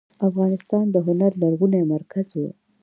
افغانستان د هنر لرغونی مرکز و.